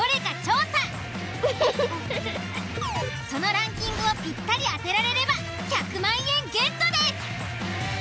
そのランキングをぴったり当てられれば１００万円ゲットです。